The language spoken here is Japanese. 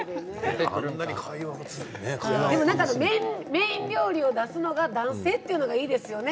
メイン料理を出すのが男性というのがいいですよね。